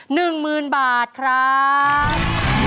๑หมื่นบาทครับ